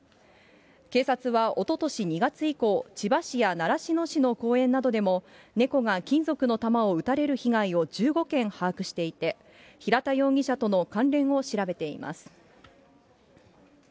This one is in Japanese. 警察はおととし２月以降、千葉市や習志野市の公園などでも、猫が金属の弾を撃たれる被害を１５件把握していて、平田容疑者との関連を調べています。